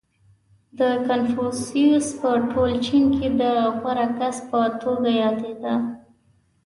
• کنفوسیوس په ټول چین کې د غوره کس په توګه یادېده.